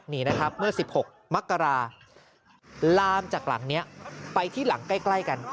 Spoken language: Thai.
นี่นะครับเมื่อ๑๖มกราลามจากหลังนี้ไปที่หลังใกล้กัน